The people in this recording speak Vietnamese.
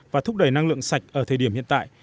và thúc đẩy năng lượng sạch ở thời điểm hiện tại